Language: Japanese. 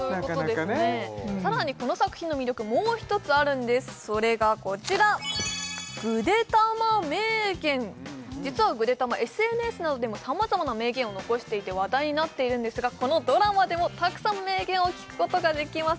さらにこの作品の魅力もう一つあるんですそれがこちら実はぐでたまＳＮＳなどでも様々な名言を残していて話題になっているんですがこのドラマでもたくさん名言を聞くことができます